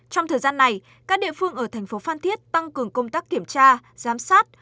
trong thời gian này các địa phương ở thành phố phan thiết tăng cường công tác kiểm tra giám sát